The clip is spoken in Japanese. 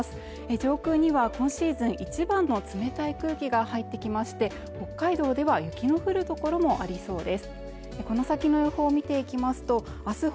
上空には今シーズン一番の冷たい空気が入ってきまして北海道では雪の降る所もありそうです